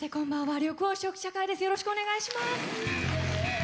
よろしくお願いします。